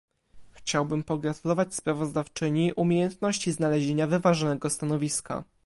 Chciałbym pogratulować sprawozdawczyni umiejętności znalezienia wyważonego stanowiska